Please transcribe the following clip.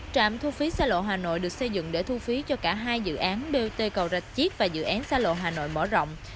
trạm thu phí xa lộ hà nội được xây dựng để thu phí cho cả hai dự án bot cầu rạch chiếc và dự án xa lộ hà nội mở rộng